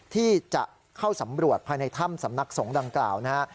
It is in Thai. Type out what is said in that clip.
ที่จะเข้าสำรวจภายในถ้ำสำนักสงฆ์ดังกล่าวนะฮะ